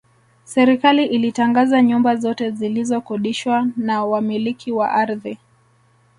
Serikali ilitangaza nyumba zote zilizokodishwa na Wamiliki wa ardhi